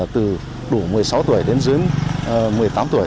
từ đủ một mươi sáu tuổi đến dưới một mươi tám tuổi